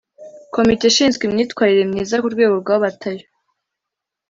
komite ishinzwe imyitwarire myiza ku rwego rwa batayo